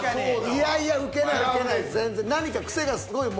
いやいやウケないウケない。